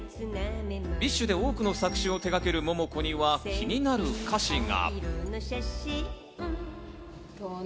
ＢｉＳＨで多くの作詞を手がけるモモコには気になる歌詞が。